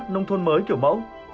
nông thôn mới kiểu mẫu